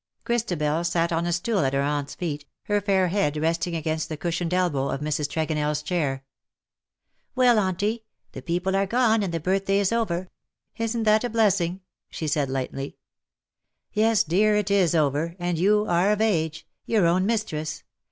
Christabel sat on a stool at her aunt^s feet, her fair head rest ing against the cushioned elbow of Mrs. TregonelFs chair. " Well, Auntie, the people are gone and the birthday is over. Isn^t that a blessing T' she said lightly. ^' Yes, dear, it is over, and you are of age — your own mistress.